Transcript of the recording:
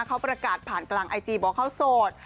เขาประกาศผ่านกลางไอจีบอกเขาโสด